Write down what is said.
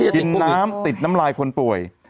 กินน้ำติดน้ำลายคนป่วย